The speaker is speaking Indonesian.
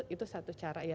itu satu cara ya